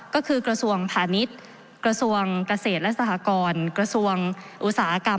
ก็คือกระทรวงพาณิชย์กระทรวงเกษตรและสหกรกระทรวงอุตสาหกรรม